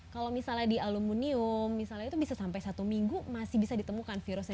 kalau misalnya di aluminium misalnya itu bisa sampai satu minggu masih bisa ditemukan virusnya